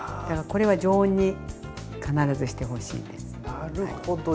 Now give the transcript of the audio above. だからこれは常温に必ずしてほしいんです。